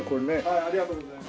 ありがとうございます。